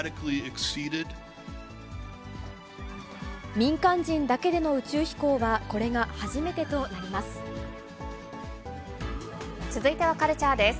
民間人だけでの宇宙飛行は、これが初めてとなります。